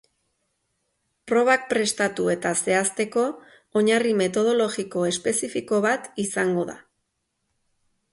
Probak prestatu eta zehazteko oinarri metodologiko espezifiko bat izango da.